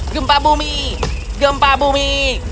gempa bumi gempa bumi